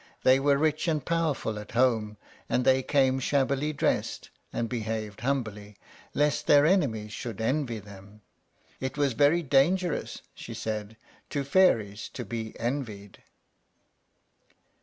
They were rich and powerful at home, and they came shabbily dressed, and behaved humbly, lest their enemies should envy them. It was very dangerous, she said, to fairies to be envied.